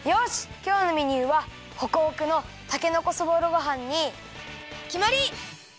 きょうのメニューはホクホクのたけのこそぼろごはんにきまり！